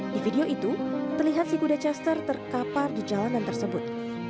di video itu terlihat si kuda chester terkapar di jalanan tersebut